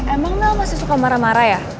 emang nal masih suka marah marah ya